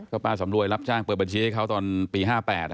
ป้าสำรวยรับจ้างเปิดบัญชีให้เขาตอนปี๕๘